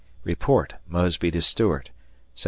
[Report, Mosby to Stuart] Sept.